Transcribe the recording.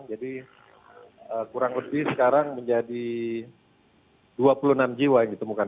jadi kurang lebih sekarang menjadi dua puluh enam jiwa yang ditemukan